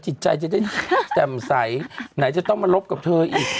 จิตใจจะได้แจ่มใสไหนจะต้องมาลบกับเธออีก